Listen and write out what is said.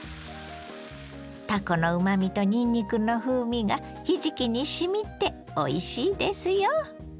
たこのうまみとにんにくの風味がひじきにしみておいしいですよ。